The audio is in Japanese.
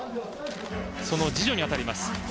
その次女に当たります。